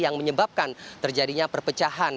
yang menyebabkan terjadinya perpecahan